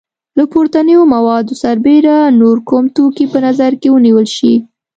له پورتنیو موادو سربیره نور کوم توکي په نظر کې ونیول شي؟